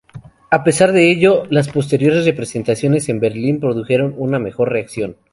A pesar de ello, las posteriores representaciones en Berlín produjeron una mejor reacción.